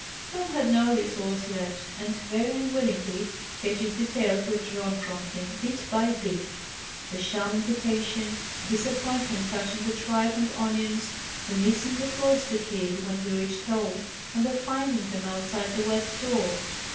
Tom had no resource left; and, very unwillingly, Ketch's details were drawn from him, bit by bit. The sham invitation, the disappointment touching the tripe and onions, the missing the cloister keys when he reached home, and the finding them outside the west door.